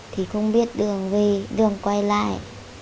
thì không biết đường quay lại